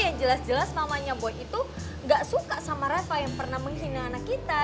yang jelas jelas namanya boy itu gak suka sama rasa yang pernah menghina anak kita